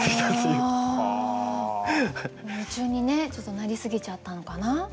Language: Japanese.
夢中にねちょっとなりすぎちゃったのかな？